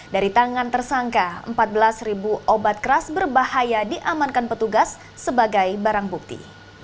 dari tangan tersangka empat belas obat keras berbahaya diamankan petugas sebagai barang bukti